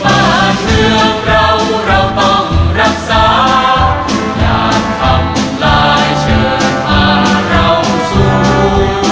บ้านเรืองเราเราต้องรักษาอย่างทำลายเฉินผ้าเราสู้